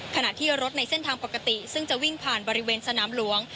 ขณะที่รถในเส้นทางปกติซึ่งจะวิ่งผ่านบริเวณสนามหลวง